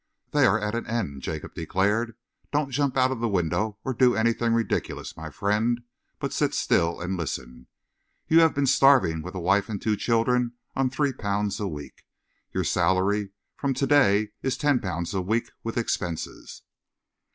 "They are at an end," Jacob declared. "Don't jump out of the window or do anything ridiculous, my friend, but sit still and listen. You have been starving with a wife and two children on three pounds a week. Your salary from to day is ten pounds a week, with expenses."